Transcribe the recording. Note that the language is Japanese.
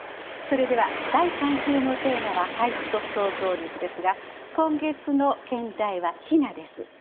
それでは第３週のテーマは「俳句と想像力」ですが今月の兼題は「雛」です。